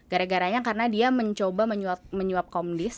gara garanya karena dia mencoba menyuap komdis